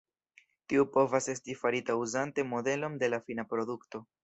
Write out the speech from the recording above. Tiu povas esti farita uzante modelon de la fina produkto.